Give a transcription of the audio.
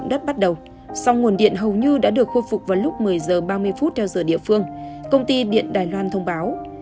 trong nguồn điện hầu như đã được khôi phục vào lúc một mươi h ba mươi phút theo giờ địa phương công ty điện đài loan thông báo